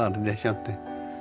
って。